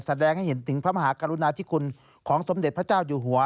แสดงให้เห็นถึงพระมหากรุณาธิคุณของสมเด็จพระเจ้าอยู่หัว